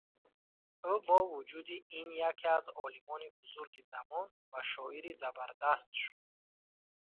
Ӯ бо вуҷуди ин яке аз олимони бузурги замон ва шоири забардаст шуд.